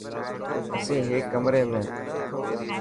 اسين هيڪ ڪمري ۾.